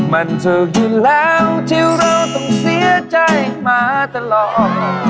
มันถูกกินแล้วที่เราต้องเสียใจมาตลอด